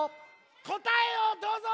こたえをどうぞ！